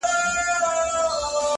اوس د شمعي په لمبه کي ټګي سوځي -